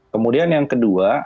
kemudian yang kedua